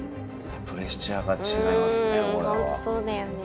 プレッシャーがちがいますね。